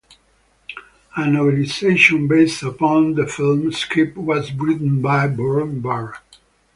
A novelization based upon the film script was written by Burl Barer.